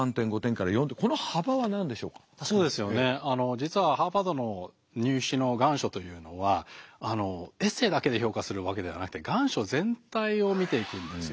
実はハーバードの入試の願書というのはエッセーだけで評価するわけではなくて願書全体を見ていくんですよね。